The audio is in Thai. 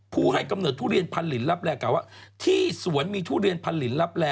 ผู้ให้กำเนิดทุเรียนพันลินลับแร่กล่าวว่าที่สวนมีทุเรียนพันลินลับแล